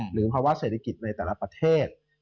ภาวะเศรษฐกิจในแต่ละประเทศ